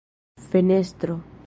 fenestro